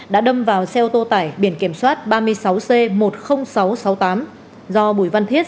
đã đâm vào xe ô tô tải biển kiểm soát ba mươi sáu c một mươi nghìn sáu trăm sáu mươi tám do bùi văn thiết